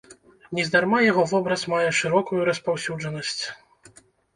Нездарма яго вобраз мае шырокую распаўсюджанасць.